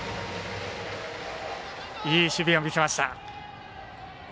いい守備を見せました。